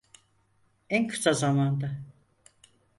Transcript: En kısa zamanda.